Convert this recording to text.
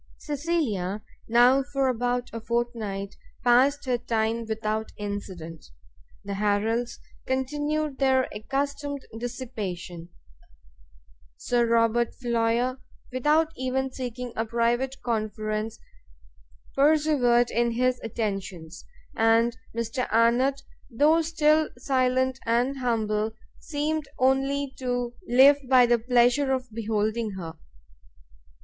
Cecilia now for about a fortnight passed her time without incident; the Harrels continued their accustomed dissipation, Sir Robert Floyer, without even seeking a private conference, persevered in his attentions, and Mr Arnott, though still silent and humble, seemed only to live by the pleasure of beholding her.